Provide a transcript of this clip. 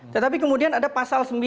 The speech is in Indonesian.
tetapi kemudian ada pasal sembilan